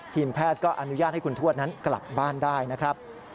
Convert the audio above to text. ทีมแพทย์ก็อนุญาตให้คุณทวดนั้นกลับบ้านได้นะครับ